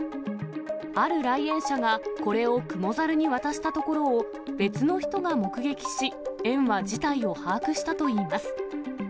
ある来園者がこれをクモザルに渡したところを、別の人が目撃し、園は事態を把握したといいます。